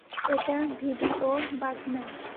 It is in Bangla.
এটা ভিডিয়ো বাগ না।